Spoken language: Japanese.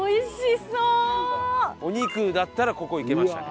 お肉だったらここ行けましたね。